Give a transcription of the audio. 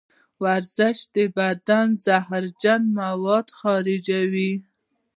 ورزش د بدن زهرجن مواد خارجوي.